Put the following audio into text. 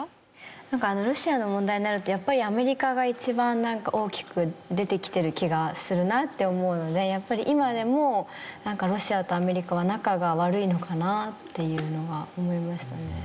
なんかロシアの問題になるとやっぱりアメリカが一番大きく出てきてる気がするなって思うのでやっぱり今でもなんかロシアとアメリカは仲が悪いのかなっていうのは思いましたね。